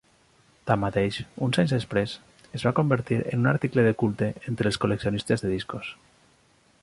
Tanmateix, uns anys després, es va convertir en un article de culte entre els col·leccionistes de discos.